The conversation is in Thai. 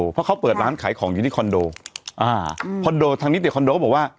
เพราะเขาเปิดร้านขายของอยู่ที่คอนโดอ่าคอนโดทางนิติคอนโดก็บอกว่า